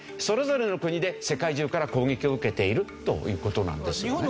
それぞれの国で世界中から攻撃を受けているという事なんですよね。